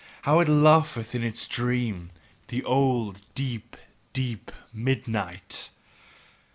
how it laugheth in its dream! the old, deep, deep midnight!